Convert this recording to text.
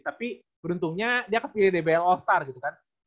tapi beruntungnya dia kepilih dbl all star gitu kan